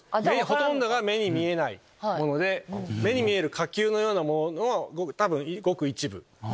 ほとんどが目に見えないもので目に見える火球のようなものは多分ごく一部で。